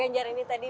pak genjar ini tadi